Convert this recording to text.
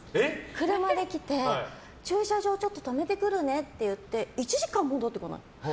車で来て駐車場に止めてくるねって言って１時間戻ってこない。